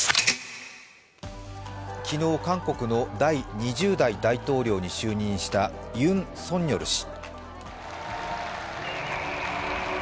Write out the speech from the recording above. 昨日、韓国の第２０代大統領に就任したユン・ソンニョル氏。